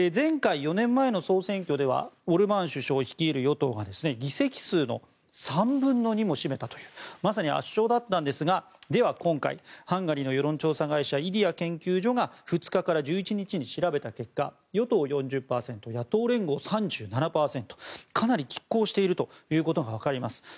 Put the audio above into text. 前回４年前の総選挙ではオルバーン首相率いる与党が議席数の３分の２も占めたというまさに圧勝だったんですが今回、ハンガリーの世論調査会社イディア研究所が２日から１１日に調べた結果与党４０％野党連合３７％かなり拮抗していることが分かります。